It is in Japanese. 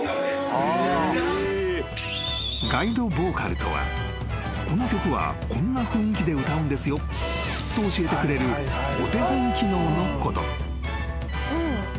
［ガイドボーカルとはこの曲はこんな雰囲気で歌うんですよと教えてくれるお手本機能のこと］